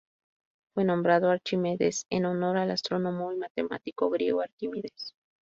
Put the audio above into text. Fue nombrado Archimedes en honor al astrónomo y matemático griego Arquímedes.